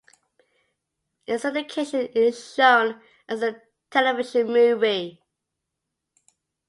In syndication, it is shown as a television movie.